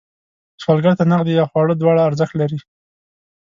سوالګر ته نغدې یا خواړه دواړه ارزښت لري